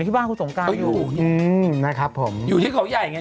ที่บ้านคุณสงการเขาอยู่อืมนะครับผมอยู่ที่เขาใหญ่ไง